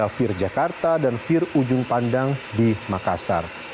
yaitu vir jakarta dan vir ujung pandang di makassar